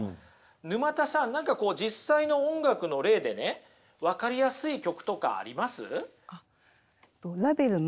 沼田さん何か実際の音楽の例でね分かりやすい曲とかあります？